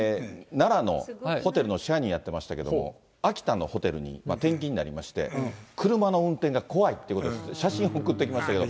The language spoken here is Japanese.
奈良のホテルの社員やってましたけど、秋田のホテルに転勤になりまして、車の運転が怖いということで、写真送ってきましたけど。